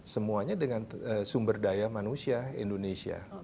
semuanya dengan sumber daya manusia indonesia